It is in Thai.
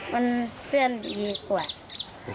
มันเพื่อนดีกว่า